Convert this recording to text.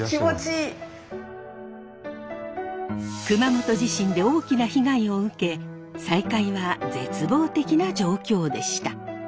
熊本地震で大きな被害を受け再開は絶望的な状況でした。